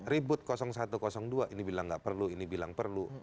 ribut satu dua ini bilang nggak perlu ini bilang perlu